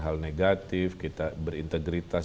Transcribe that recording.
hal negatif kita berintegritas